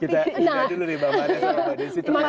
kita lihat dulu nih mbak maria sama mbak desy